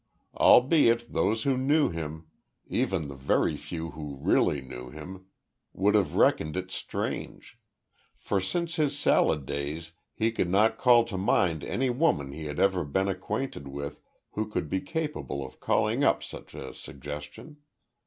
Albeit those who knew him even the very few who really knew him would have reckoned it strange. For since his salad days he could not call to mind any woman he had ever been acquainted with who could be capable of calling up such a suggestion.